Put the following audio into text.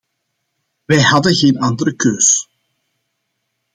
Wij hadden geen andere keus.